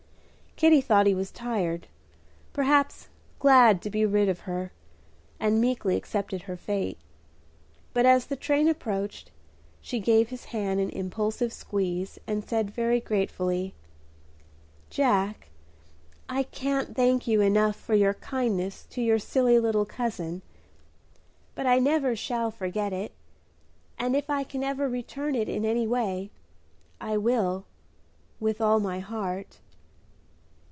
Kitty thought he was tired, perhaps glad to be rid of her, and meekly accepted her fate. But as the train approached, she gave his hand an impulsive squeeze, and said very gratefully, "Jack, I can't thank you enough for your kindness to your silly little cousin; but I never shall forget it, and if I ever can return it in any way, I will with all my heart."